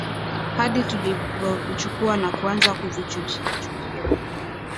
hadi tulipovichukua na kuanza kuvichuchiachuchia